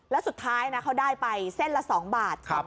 แล้วสุดท้ายนะเขาได้ไปเส้นละ๒บาท